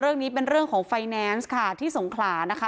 เรื่องนี้เป็นเรื่องของไฟแนนซ์ค่ะที่สงขลานะคะ